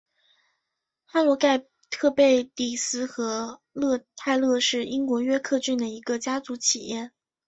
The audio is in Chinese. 哈罗盖特贝蒂斯和泰勒是英国约克郡的一个家族企业。